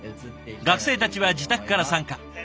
学生たちは自宅から参加。